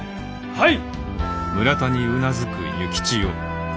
はい！